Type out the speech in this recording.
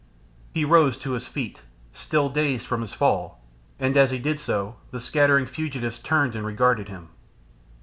He rose to his feet, still dazed from his fall, and as he did so the scattering fugitives turned and regarded him.